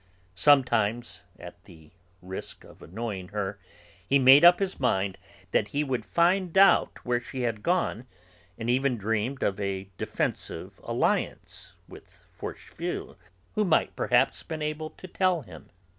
Sometime... at the risk of annoying her, he made up his mind that he would find out where she had gone, and even dreamed of a defensive alliance with Forcheville, who might perhaps have been able to tell him.